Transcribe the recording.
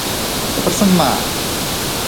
Тыпырсынма!